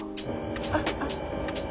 あっあっ。